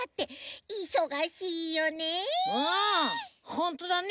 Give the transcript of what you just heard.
ほんとだね。